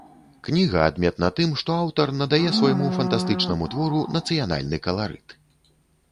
Кніга адметна тым, што аўтар надае свайму фантастычнаму твору нацыянальны каларыт.